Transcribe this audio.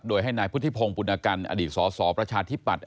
โดยให้นายพุทธิพงศ์ปุณกันอดีตสสประชาธิปัตย